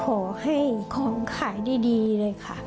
ขอให้ของขายดีเลยค่ะ